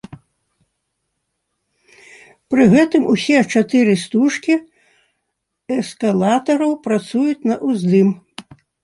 Пры гэтым усе чатыры стужкі эскалатараў працуюць на ўздым.